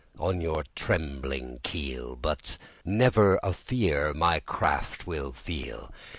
On your trembling keel, But never a fear my craft will feel.